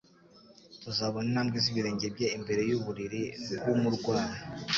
Tuzabona intambwe z'ibirenge bye imbere y'ubvriri bw'umurwayi,